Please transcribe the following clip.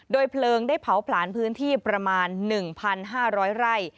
เพลิงได้เผาผลาญพื้นที่ประมาณ๑๕๐๐ไร่